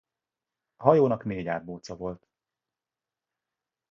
A hajónak négy árbóca volt.